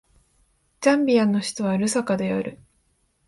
ザンビアの首都はルサカである